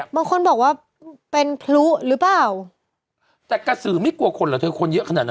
บางคนบอกว่าเป็นพลุหรือเปล่าแต่กระสือไม่กลัวคนเหรอเธอคนเยอะขนาดนั้น